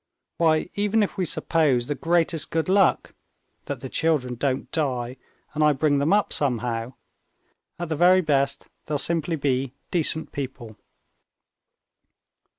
Why, even if we suppose the greatest good luck, that the children don't die, and I bring them up somehow. At the very best they'll simply be decent people.